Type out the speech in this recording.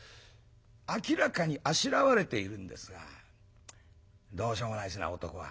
明らかにあしらわれているんですがどうしようもないですね男は。